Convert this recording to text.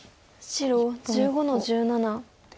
白１５の十七。